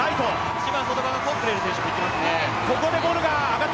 一番外側のコックレル選手がいっていますね。